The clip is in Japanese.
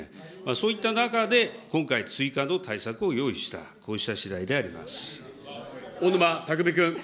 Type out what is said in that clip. そういった中で、今回追加の対策を用意した、小沼巧君。